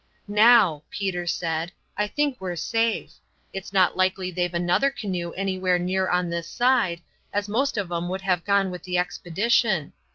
"Now," Peter said, "I think we're safe. It's not likely they've another canoe anywhere near on this side, as most of 'em would have gone with the expedition.